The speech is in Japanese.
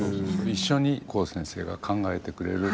一緒に黄先生が考えてくれる。